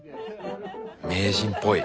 名人っぽい。